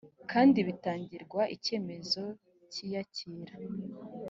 kandi bitangirwa icyemezo cy iyakira